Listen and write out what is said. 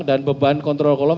dan beban kontrol kolom